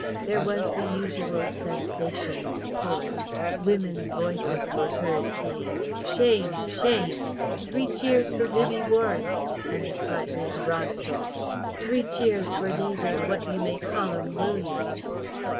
There was the usual "sensation in Court." Women's voices were heard saying "Shame!" "Shame!" "Three cheers for Vivie Warren," and a slightly ironical "Three cheers for David Whatyoumay callem Williams."